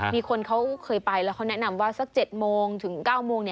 มีคนเขาเคยไปแล้วเขาแนะนำว่าสัก๗โมงถึง๙โมง